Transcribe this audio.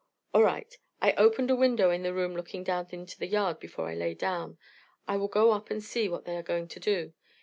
"All right. I opened a window in the room looking down into the yard before I lay down. I will go up and see what they are going to do.